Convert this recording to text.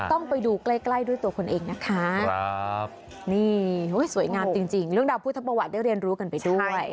ต้องไปดูใกล้ใกล้ด้วยตัวคนเองนะคะนี่สวยงามจริงเรื่องราวพุทธประวัติได้เรียนรู้กันไปด้วย